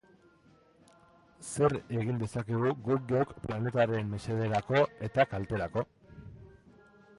Zer egin dezakegu guk geuk planetaren mesederako eta kalterako?